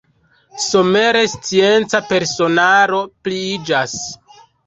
Somere scienca personaro pliiĝas.